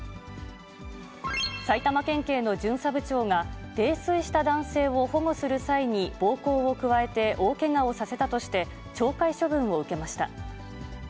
埼玉県警の巡査部長が、泥酔した男性を保護する際に、暴行を加えて大けがをさせたとして、懲戒処分を受けました。